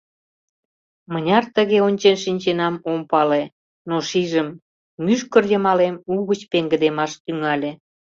Мыняр тыге ончен шинченам, ом пале, но, шижым, мӱшкыр йымалем угыч пеҥгыдемаш тӱҥале.